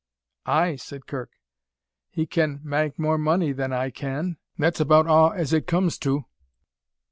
"Ay," said Kirk. "He can ma'e more money than I can that's about a' as it comes to."